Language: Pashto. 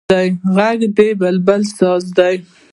غږ د بلبل ساز دی